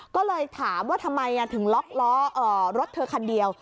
ก็เลยถามว่าทำไมถึงล็อกล้อรถเธอคันเดียว